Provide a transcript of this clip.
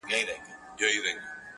په یوه کلي کي له ښاره څخه لیري لیري؛